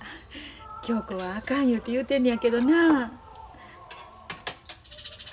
恭子はあかんいうて言うてんねやけどなあ。